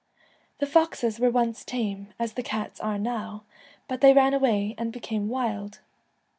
The foxes were once tame, as the cats are now, but they ran away and became wild.